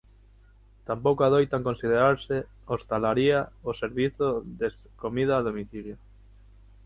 Tampouco adoitan considerarse "hostalaría" o servizo de comida a domicilio.